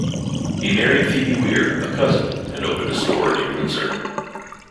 He married Phoebe Wier, a cousin, and opened a store near Windsor.